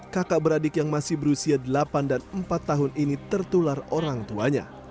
kakak beradik yang masih berusia delapan dan empat tahun ini tertular orang tuanya